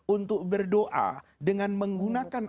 untuk berdoa dengan menggunakan